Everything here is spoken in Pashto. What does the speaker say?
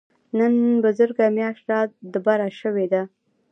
نن بزرګه مياشت رادبره شوې ده.